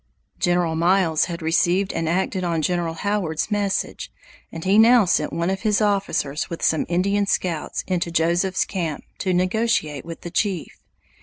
General Miles had received and acted on General Howard's message, and he now sent one of his officers with some Indian scouts into Joseph's camp to negotiate with the chief.